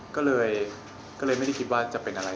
ก็เลยไม่ได้คิดว่าจะเป็นอะไร